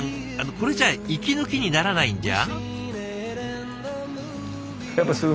これじゃあ息抜きにならないんじゃ？